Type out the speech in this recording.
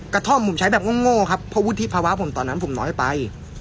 กระท่อมผมใช้แบบโง่ครับเพราะวุฒิภาวะผมตอนนั้นผมน้อยไป